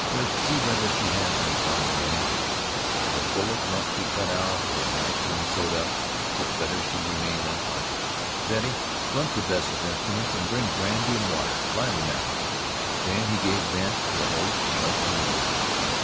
First see whether she has any bodily injury. If a bullet must be cut out, or a knife wound sewed up, it's better she remained unconscious. Betty, run for Bess's instruments, and bring brandy and water. Lively now!" Then he gave vent to an oath and left the room.